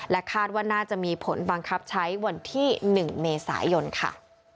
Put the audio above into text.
คาดว่าน่าจะมีผลบังคับใช้วันที่๑เมษายนค่ะ